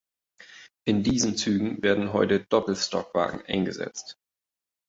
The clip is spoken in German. In diesen Zügen werden heute Doppelstockwagen eingesetzt.